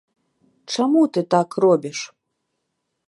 Чаму ты так робіш?